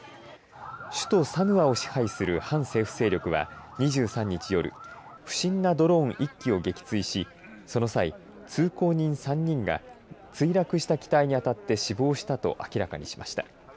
首都サヌアを支配する反政府勢力は２３日、夜不審なドローン１機を撃墜しその際、通行人３人が墜落した機体に当たって死亡したと明らかにしました。